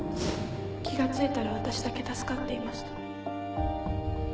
気が付いたら私だけ助かっていました